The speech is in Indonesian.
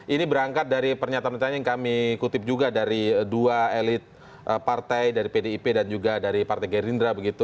ini berangkat dari pernyataan pernyataan yang kami kutip juga dari dua elit partai dari pdip dan juga dari partai gerindra begitu